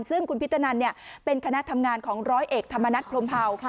ซึ่งคุณพิตนันเป็นคณะทำงานของร้อยเอกธรรมนัฐพรมเผา